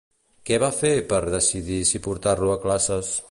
Què va fer per decidir si portar-lo a classes?